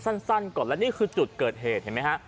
สั้นก่อนและนี่คือจุดเกิดเหตุเห็นไหมฮะ